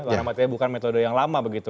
mbak ramad ini bukan metode yang lama begitu